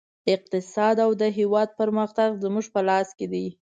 اقتصاد او د هېواد پرمختګ زموږ په لاس کې دی